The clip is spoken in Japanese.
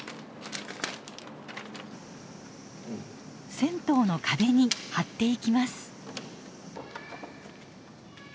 銭湯の壁に貼っていきます。